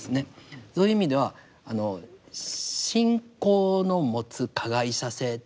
そういう意味ではあの信仰の持つ加害者性。